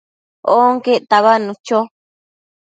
onquec tabadnu cho